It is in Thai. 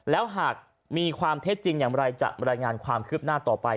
แล้วหากมีความเท็จจริงอย่างไรจะรายงานความคืบหน้าต่อไป